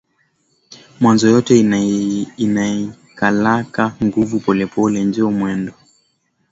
Mwanzo yote inaikalaka nguvu polepole njo mwendo